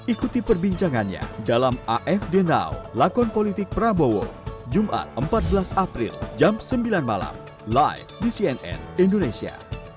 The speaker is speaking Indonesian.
ikuti perbincangannya dalam afd now lakon politik prabowo jumat empat belas april jam sembilan malam live di cnn indonesia